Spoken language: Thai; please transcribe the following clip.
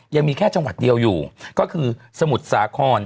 ยังมีแค่จังหวัดเดียวอยู่ก็คือสมุทรสาคร